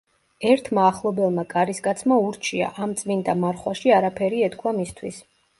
ერთმა ახლობელმა კარისკაცმა ურჩია, ამ წმიდა მარხვაში არაფერი ეთქვა მისთვის.